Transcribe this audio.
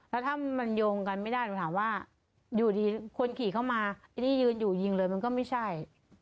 แล้วถ้ามันโยงกันไม่ได้หนูถามว่าอยู่ดีคนขี่เข้ามาไอ้ที่ยืนอยู่ยิงเลยมันก็ไม่ใช่